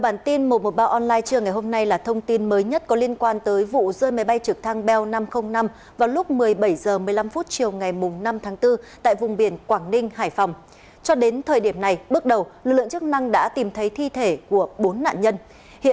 các bạn hãy đăng ký kênh để ủng hộ kênh của chúng mình nhé